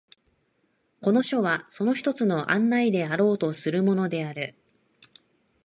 この書はその一つの案内であろうとするものである。